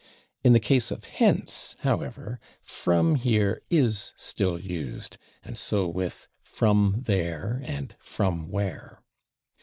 In the case of /hence/, however, /from here/ is still used, and so with /from there/ and /from where